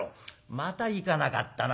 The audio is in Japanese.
また行かなかったな。